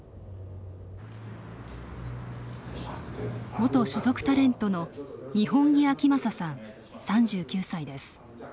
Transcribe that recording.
元所属タレントの二本樹顕理さん、３９歳です。